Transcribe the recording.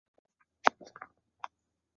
本桐站日高本线上的站。